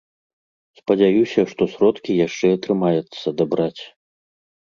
Спадзяюся, што сродкі яшчэ атрымаецца дабраць.